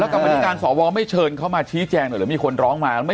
แล้วกับวันนี้การสอบวองไม่เชิญเขามาชี้แจงหน่อยหรือมีคนร้องมา